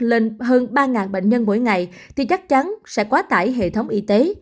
lên hơn ba bệnh nhân mỗi ngày thì chắc chắn sẽ quá tải hệ thống y tế